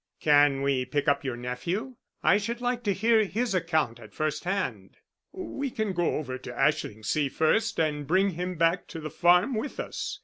"Can we pick up your nephew? I should like to hear his account at first hand." "We can go over to Ashlingsea first and bring him back to the farm with us.